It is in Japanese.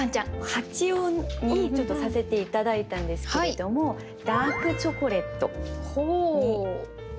八音にさせて頂いたんですけれども「ダークチョコレート」にしました。